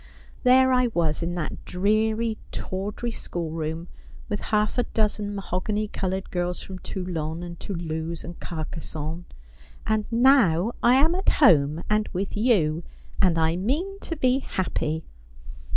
There I was in that dreary tawdry school room, with half a dozen mahogany coloured girls from Toulon, and Toulouse, and Carcassonne ; and now I am at home and with you, and I mean to be happy.